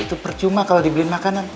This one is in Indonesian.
itu percuma kalau dibeli makanan